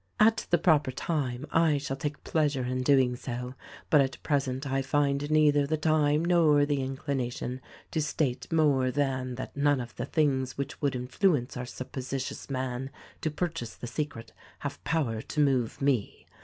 "At the proper time, I shall take pleasure in doing so; but at present, I find neither the time nor the inclination to state more than that none of the things which would in fluence our suppositious man to purchase the secret have power to move me.